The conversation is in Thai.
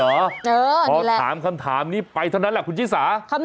เออนี่แหละพอถามคำถามนี้ไปเท่านั้นแหละคุณชิสา